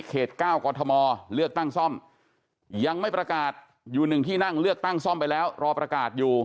๙กรทมเลือกตั้งซ่อมยังไม่ประกาศอยู่๑ที่นั่งเลือกตั้งซ่อมไปแล้วรอประกาศอยู่